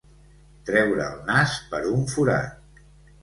Treure el nas per un forat.